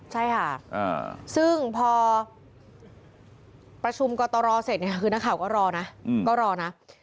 ใช่ค่ะซึ่งพอประชุมกตรเสร็จเนี่ยคือนักข่าวก็รอนะก็รอนะ